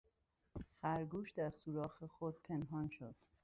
خرگوش در سوراخ خود پنهان شد.